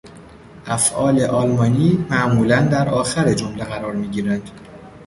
افعال آلمانی معمولا در آخر جمله قرار میگیرند.